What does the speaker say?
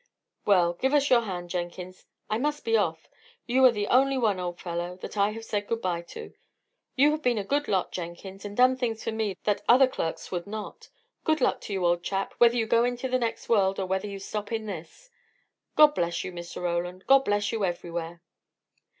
"Well, give us your hand, Jenkins; I must be off. You are the only one, old fellow, that I have said good bye to. You have been a good lot, Jenkins, and done things for me that other clerks would not. Good luck to you, old chap, whether you go into the next world, or whether you stop in this!" "God bless you, Mr. Roland! God bless you everywhere!"